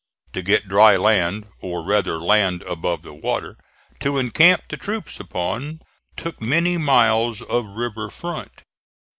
To get dry land, or rather land above the water, to encamp the troops upon, took many miles of river front.